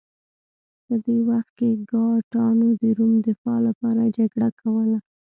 په دې وخت کې ګاټانو د روم دفاع لپاره جګړه کوله